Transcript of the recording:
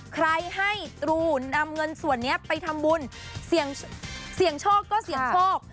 ใครให้ตรูนนำเงินส่วนนี้ไปทำบุญเสี่ยงโชคก็เสี่ยงโชค